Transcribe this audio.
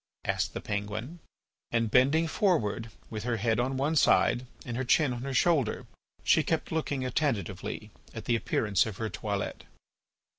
asked the penguin. And bending forward with her head on one side and her chin on her shoulder, she kept looking attentively at the appearance of her toilet.